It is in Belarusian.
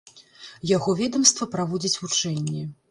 Яго ведамства праводзіць вучэнні.